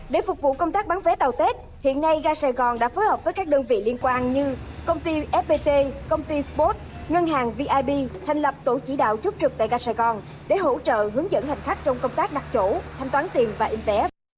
để phục vụ công tác bán vé tàu tết hiện nay gà sài gòn đã phối hợp với các đơn vị liên quan như công ty fpt công ty spot ngân hàng vip thành lập tổ chỉ đạo chốt trực tại gà sài gòn để hỗ trợ hướng dẫn hành khách trong công tác đặt chỗ thanh toán tiền và in vé